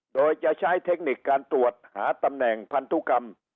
โดยจะใช้เทคนิคการตรวจหาตำแหน่งพันธุกรรม